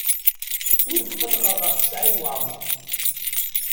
Ur tqellqeɣ ɣef Saɛid Waɛmaṛ.